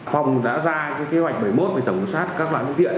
phòng đã ra kế hoạch bảy mươi một về tổng sát các loại phương tiện